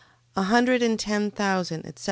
A hundred and ten thousand, etc...